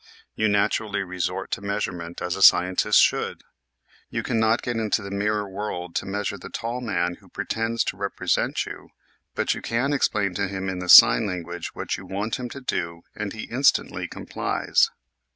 You naturally resort to measurement, as. a scientist should. You cannot get into the mirror world to measure the tall man who pretends to represent you, but you can explain to him in the sign language what you want him to do and he instantly complies.